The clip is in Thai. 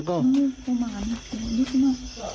ที่หน้าก็